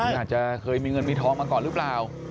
อาจจะเคยมีเงินมีทองมาก่อนหรือเปล่า